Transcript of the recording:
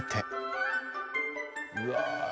うわ。